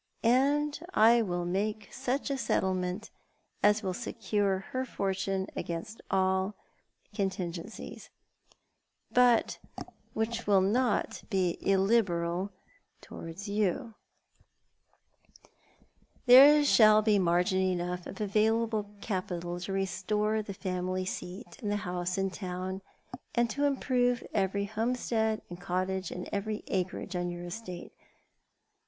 And I will make such a settlement a^ will secure her fortune against all contingencies, but which shall not bo illiberal towards you. 178 Thou art the Ma?L There shall be margin enough of available capital to restore the family seat and the house in town, and to improve every home stead, and cottage, and every acre on your estate.